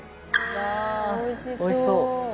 大西：おいしそう！